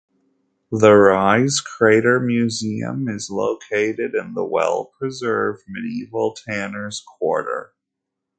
The Ries crater museum is located in the well-preserved medieval tanner's quarter.